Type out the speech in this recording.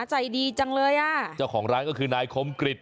ใจดีจังเลยอ่ะเจ้าของร้านก็คือนายคมกริจ